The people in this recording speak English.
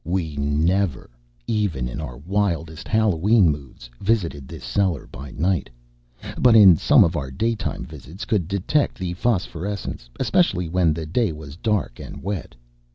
We never even in our wildest Halloween moods visited this cellar by night, but in some of our daytime visits could detect the phosphorescence, especially when the day was dark and wet.